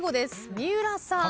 三浦さん。